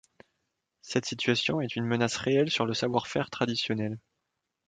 Cette situation est une menace réelle sur le savoir-faire traditionnel.